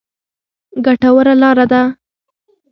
ګټوره لاره ده.